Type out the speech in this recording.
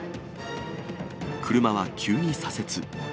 車は急に左折。